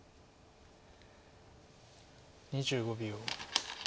２５秒。